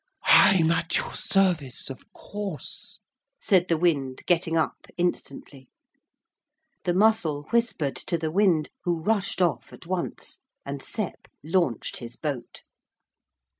'I'm at your service, of course,' said the wind, getting up instantly. The mussel whispered to the wind, who rushed off at once; and Sep launched his boat.